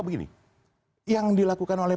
begini yang dilakukan oleh